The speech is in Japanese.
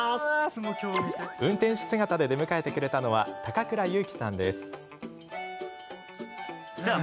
運転手姿で出迎えてくれたのは高倉優樹さんです。